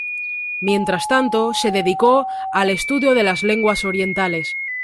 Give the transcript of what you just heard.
Mientras tanto, se dedicó al estudio de las lenguas orientales.